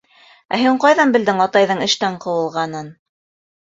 Ә һин ҡайҙан белдең атайҙың эштән ҡыуылғанын?